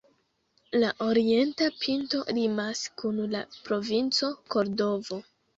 La orienta pinto limas kun la Provinco Kordovo.